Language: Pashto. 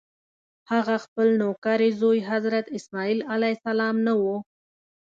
هغه خپل نوکرې زوی حضرت اسماعیل علیه السلام نه و.